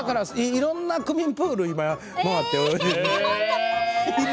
いろんな区民プールを回っているよ。